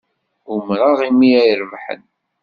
Umreɣ imi ay rebḥen.